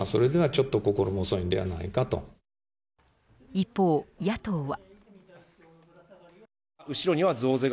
一方、野党は。